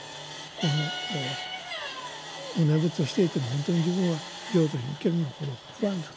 このお念仏をしていてもほんとに自分は浄土に行けるのかどうか不安だ」と。